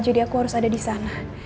jadi aku harus ada di sana